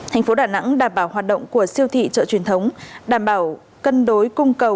thành phố đà nẵng đảm bảo hoạt động của siêu thị chợ truyền thống